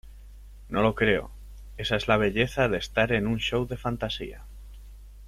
No lo creo...Esa es la belleza de estar en un show de fantasía.